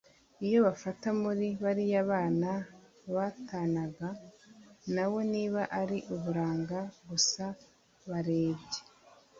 iyo bafata muri bariya bana batanaga nawe niba ari uburanga gusa barebye